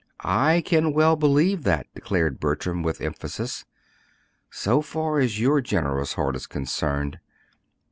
"I can well believe that," declared Bertram, with emphasis, "so far as your generous heart is concerned."